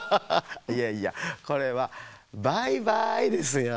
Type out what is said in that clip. いやいやこれは「バイバイ」ですよ。